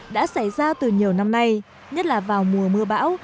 đã xảy ra từ nhiều năm nay nhất là vào mùa mưa bão